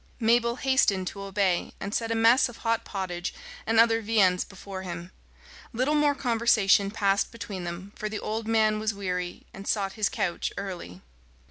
Mabel hastened to obey, and set a mess of hot pottage and other viands before him. Little more conversation passed between them, for the old man was weary, and sought his couch early.